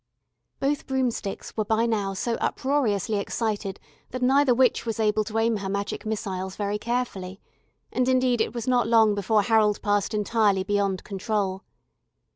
Both broomsticks were by now so uproariously excited that neither witch was able to aim her magic missiles very carefully, and indeed it was not long before Harold passed entirely beyond control.